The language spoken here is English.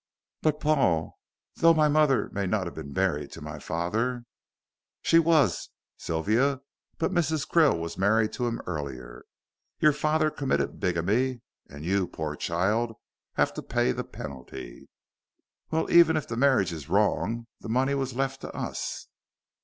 "But Paul, though my mother may not have been married to my father " "She was, Sylvia, but Mrs. Krill was married to him earlier. Your father committed bigamy, and you, poor child, have to pay the penalty." "Well, even if the marriage is wrong, the money was left to us."